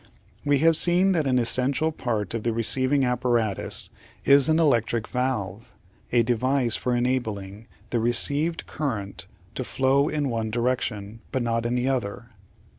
We have seen that an essential part of the receiving ap paratus is an electric valve, a device for enabling the received cur rent to flow in one direction but not in the other.